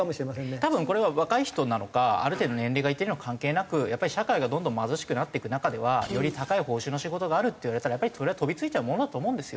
多分これは若い人なのかある程度年齢がいってるとか関係なく社会がどんどん貧しくなっていく中ではより高い報酬の仕事があるって言われたらやっぱりそれは飛びついちゃうものだと思うんですよ。